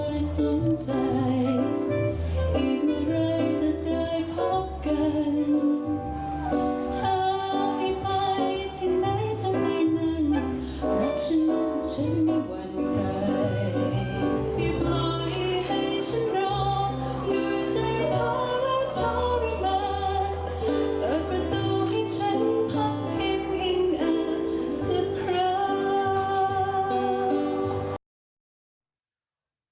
เปิดประตูให้ฉันพักเพลงอิงอาจสุดครั้ง